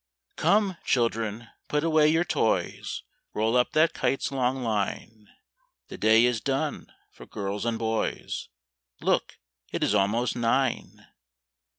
"Come, children, put away your toys; Roll up that kite's long line; The day is done for girls and boys Look, it is almost nine!